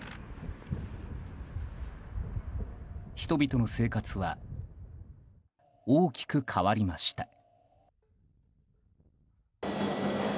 人々の生活は大きく変わりました。